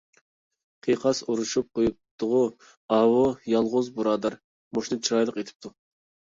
قىقاس ئۇرۇشۇپ قويۇپتۇغۇ. ئاۋۇ يالغۇز بۇرادەر مۇشتنى چىرايلىق ئېتىپتۇ.